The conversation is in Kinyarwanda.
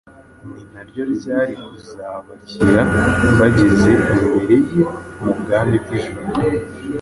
ni naryo ryari kuzabakira bageze imbere ye mu Bwami bw’ijuru.